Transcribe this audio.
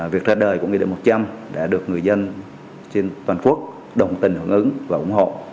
việc ra đời của nghị định một trăm linh đã được người dân trên toàn quốc đồng tình hưởng ứng và ủng hộ